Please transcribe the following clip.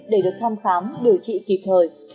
để được thăm khám điều trị kịp thời